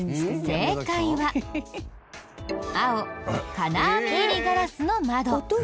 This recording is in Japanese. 正解は青金網入りガラスの窓。